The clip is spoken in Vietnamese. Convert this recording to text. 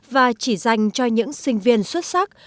và chỉ dành cho những sinh viên xuất sắc